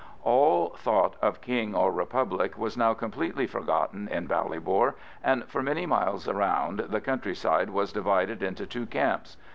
All thought of King or Republic was now completely forgotten in Ballybor, and for many miles around the countryside was divided into two camps.